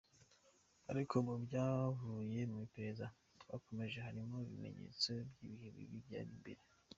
Ariko no mubyavuye mu iperereza twakomojeho, harimo ibimenyetso by’ibihe bibi byari imbere.